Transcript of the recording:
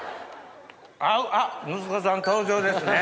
あっ息子さん登場ですね。